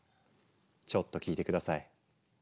ちょっと聞いて下さい。